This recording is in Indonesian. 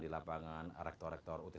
di lapangan rektor rektor ut